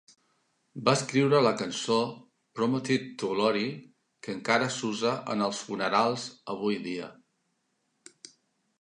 Va escriure la cançó "Promoted to Glory" que encara s'usa en els funerals avui dia.